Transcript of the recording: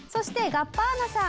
ガッバーナさん。